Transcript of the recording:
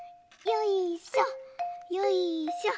よいしょ。